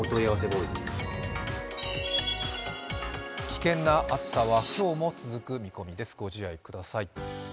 危険な暑さは今日も続く見込みです、ご自愛ください。